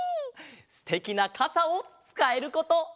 すてきなかさをつかえること。